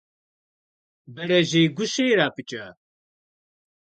Бэрэжьей гущэ ирапӀыкӀа?